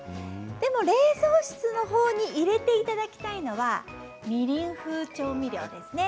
でも冷蔵室のほうに入れていただきたいのはみりん風調味料ですね。